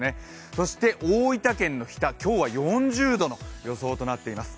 そして大分県の日田、今日は４０度の予想となっています。